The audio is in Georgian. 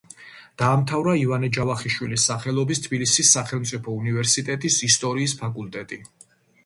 დაამთავრა ივანე ჯავახიშვილის სახელობის თბილისის სახელმწიფო უნივერსიტეტის ისტორიის ფაკულტეტი.